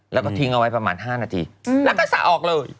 แล้วก็ทิ้งเอาไว้ประมาณ๕นาทีแล้วก็สระออกเลย